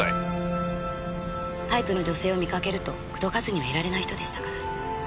タイプの女性を見かけると口説かずにはいられない人でしたから。